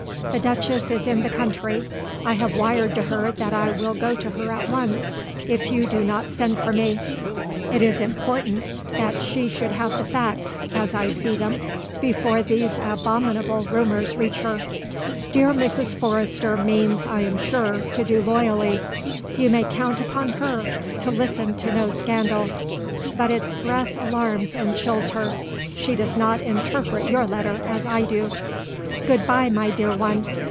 The Duchess is in the country; I have wired to her that I will go to her at once if you do not send for me; it is important that she should have the facts as I see them before these abominable rumours reach her. Dear Mrs. Forrester means, I am sure, to do loyally; you may count upon her to listen to no scandal; but its breath alarms and chills her: she does not interpret your letter as I do. "Good bye, my dear one.